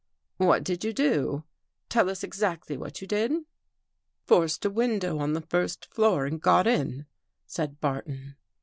"What did you do? Tell us exactly what you did?" " Forced a window on the first floor and got in," said Barton.